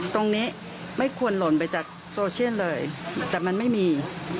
ไม่ควรหล่นไปจากโซเชียลเลยแต่มันไม่มี